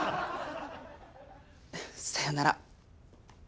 さよなら。